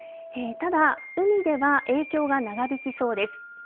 ただ、海では影響が長引きそうです。